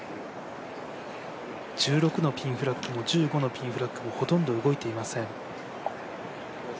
１６のピンフラッグも１５のピンフラッグもほとんど動いていません。